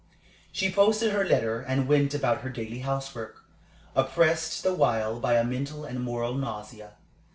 She posted her letter, and went about her daily housework, oppressed the while by a mental and moral nausea.